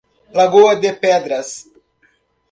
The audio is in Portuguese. Lagoa de Pedras